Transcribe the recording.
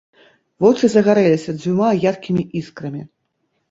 Вочы загарэліся дзвюма яркімі іскрамі.